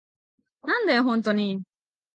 なんだよ、ホントに。